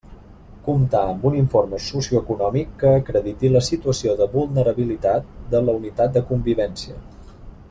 Comptar amb un informe socioeconòmic que acrediti la situació de vulnerabilitat de la unitat de convivència.